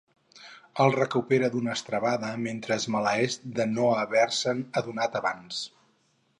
El recupera d'una estrebada mentre es maleeix de no haverse'n adonat abans.